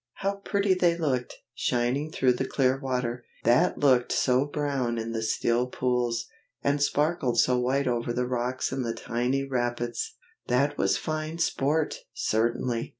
how pretty they looked, shining through the clear water, that looked so brown in the still pools, and sparkled so white over the rocks and the tiny rapids. That was fine sport, certainly.